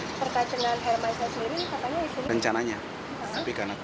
terkait dengan hermansyah sendiri katanya isinya